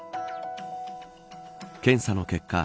検査の結果